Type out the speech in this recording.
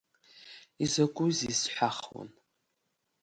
Изакәзеи сҳәахуан.